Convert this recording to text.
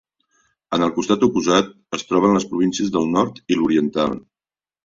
En el costat oposat, es troben les províncies del Nord i l'Oriental.